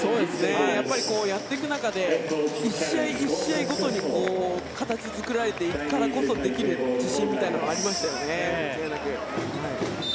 やっぱりやっていく中で１試合１試合ごとに形作られていくからこそできる自信みたいなのがありましたよね。